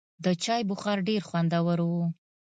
د چای بخار ډېر خوندور و.